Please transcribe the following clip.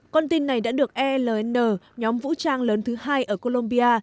con tin này đã được el nhóm vũ trang lớn thứ hai ở colombia